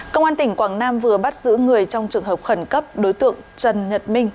công an tỉnh quảng nam vừa bắt giữ người trong trường hợp khẩn cấp đối tượng trần nhật minh